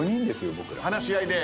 僕ら。話し合いで。